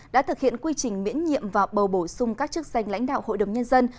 đã thực hiện quy trình miễn nhiệm và bầu bổ sung các chức danh lãnh đạo hội đồng nhân dân